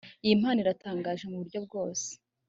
iyi mpano iratangaje muburyo bwose